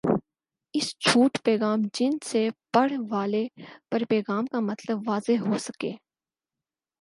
S چھوٹ پیغام جن سے پڑھ والے پر پیغام کا مطلب واضح ہو سکہ